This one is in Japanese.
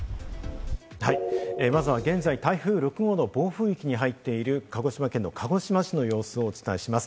まずは現在、台風６号の暴風域に入っている鹿児島県の鹿児島市の様子をお伝えします。